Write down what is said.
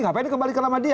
ngapain kembali ke nama dia